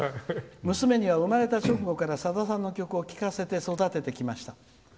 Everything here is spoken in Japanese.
「娘には生まれた直後からさださんの曲を聴かせて育ててきました」。